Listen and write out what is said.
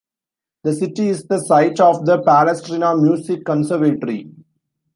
The city is the site of the Palestrina music conservatory.